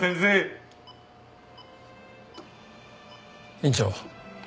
院長。